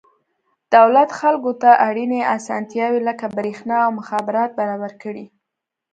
دولت خلکو ته اړینې اسانتیاوې لکه برېښنا او مخابرات برابر کړي.